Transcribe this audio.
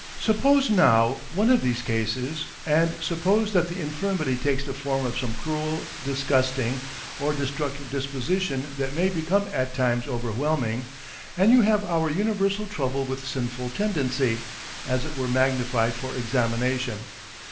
... Suppose now one of these cases, and suppose that the infirmity takes the form of some cruel, disgusting, or destructive disposition that may become at times overwhelming, and you have our universal trouble with sinful tendency, as it were magnified for examination.